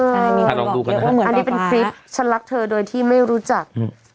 อันนี้เป็นคลิปฉันรักเธอโดยที่ไม่รู้จัก